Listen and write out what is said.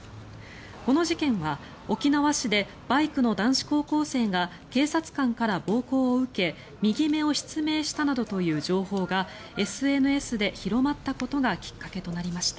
この事件は沖縄市でバイクの男子高校生が警察官から暴行を受け右目を失明したなどという情報がＳＮＳで広まったことがきっかけとなりました。